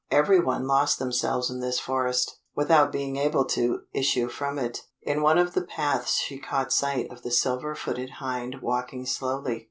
Every one lost themselves in this forest, without being able to issue from it. In one of the paths she caught sight of the Silver footed Hind walking slowly.